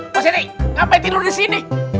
mas yedi ngapain tidur di sini